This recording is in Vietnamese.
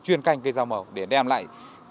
chuyên canh cây rau màu để đem lại